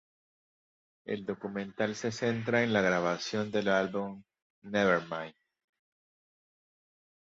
El documental se centra en la grabación del álbum "Nevermind".